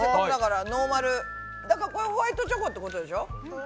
ノーマルだからこれホワイトチョコってことでしょ？